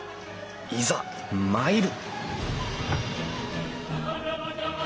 いざ参る！